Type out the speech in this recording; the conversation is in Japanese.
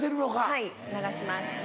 はい流します。